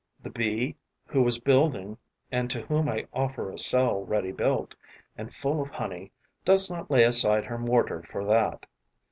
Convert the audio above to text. The Bee who was building and to whom I offer a cell ready built and full of honey does not lay aside her mortar for that.